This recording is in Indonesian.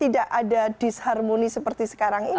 tidak ada disharmoni seperti sekarang ini